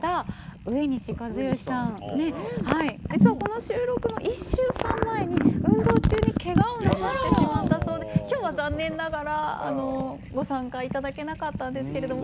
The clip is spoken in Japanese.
実はこの収録の１週間前に運動中にけがをなさってしまったそうで今日は残念ながらご参加いただけなかったんですけれども。